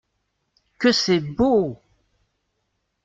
Que c'est beau !